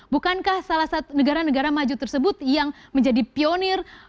bukankah salah satu negara negara maju tersebut yang menjadi pionir